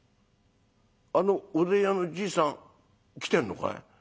あのおでん屋のじいさん来てんのかい？